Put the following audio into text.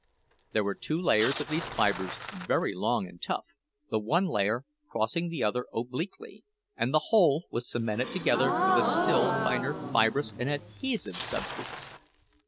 There were two layers of these fibres, very long and tough, the one layer crossing the other obliquely, and the whole was cemented together with a still finer fibrous and adhesive substance.